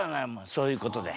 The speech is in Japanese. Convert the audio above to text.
そういうことで。